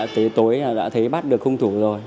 tới tối đã thấy bắt được hung thủ rồi